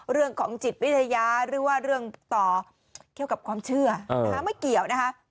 เรื่องของจิตวิทยาหรือว่าเรื่องต่อเกี่ยวกับความเชื่อนะคะไม่เกี่ยวนะคะ